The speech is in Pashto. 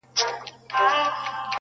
په ځان غټ یمه غښتلی تر هر چا یم-